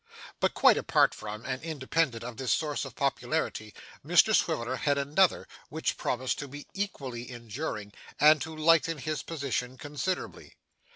But quite apart from, and independent of, this source of popularity, Mr Swiveller had another, which promised to be equally enduring, and to lighten his position considerably.